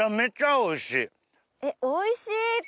おいしい！